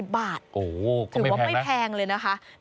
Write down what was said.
๗๐บาทถือว่าไม่แพงเลยนะคะโอ้โหก็ไม่แพงนะ